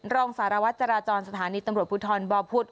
รองสารวัฐจาราจรสถานีตำรวจภูทรปบ